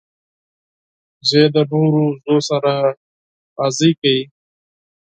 وزې د نورو وزو سره لوبې کوي